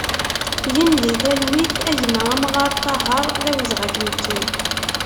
Gen di talwit a gma Amɣar Tahar, d awezɣi ad k-nettu!